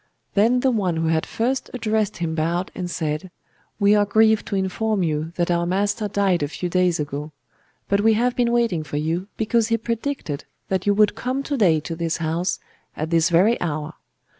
Then the one who had first addressed him bowed and said: 'We are grieved to inform you that our master died a few days ago. But we have been waiting for you, because he predicted that you would come to day to this house, at this very hour.